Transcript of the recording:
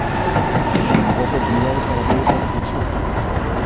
Era unha boa oportunidade para abrir esa reflexión.